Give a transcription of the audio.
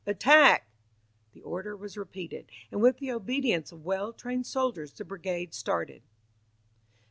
Attack!" The order was repeated, and with the obedience of well trained soldiers the Brigade started.